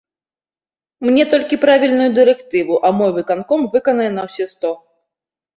Мне толькі правільную дырэктыву, а мой выканком выканае на ўсе сто.